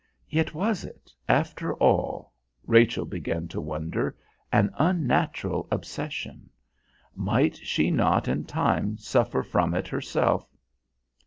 Yet was it, after all, Rachel began to wonder, an unnatural obsession? Might she not in time suffer from it herself?